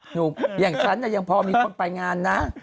หนุ่มอย่างฉันเนี่ยยังพอมีคนไปงานนะ